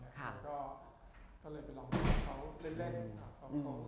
ก็เลยไปลองกับเขาเร่ง